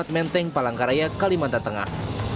menteng palangkaraya kalimantan tengah